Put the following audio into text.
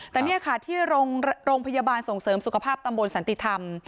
แต่นี่ค่ะที่โรงพยาบาลส่งเสริมสุขภาพตำบลสันติธรรม